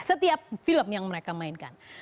setiap film yang mereka mainkan